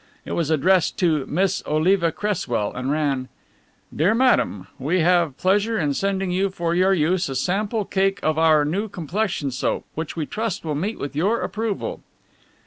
It was addressed to "Miss Olivia Cresswell," and ran: "DEAR MADAME, "We have pleasure in sending you for your use a sample cake of our new Complexion Soap, which we trust will meet with your approval."